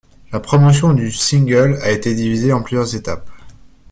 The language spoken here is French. La promotion du single a été divisée en plusieurs étapes.